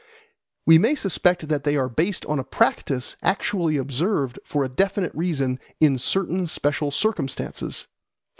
We may suspect that they are based on a practice actually observed for a definite reason in certain special circumstances.